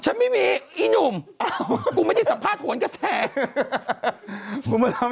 ฉันไม่มีอีหนุ่ม